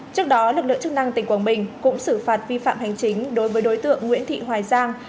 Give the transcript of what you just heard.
trước đó lực lượng chức năng tỉnh quảng bình cũng xử phạt vi phạm hành chính đối với đối tượng nguyễn thị hoài giang